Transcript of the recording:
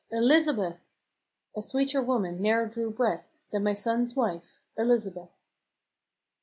Elizabeth !" (A sweeter woman ne'er drew breath Than my sonne's wife, Elizabeth.)